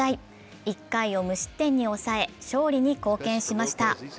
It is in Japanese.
１回を無失点に抑え、勝利に貢献しました。